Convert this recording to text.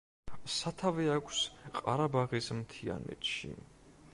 სათავე აქვს ყარაბაღის მთიანეთში.